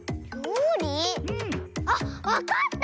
うん。あっわかった！